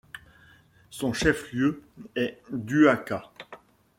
Son chef-lieu est Duaca.